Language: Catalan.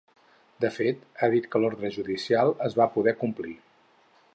De fet, ha dit que l’ordre judicial es va poder complir.